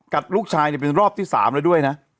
ลูกชายเป็นรอบที่๓แล้วด้วยนะ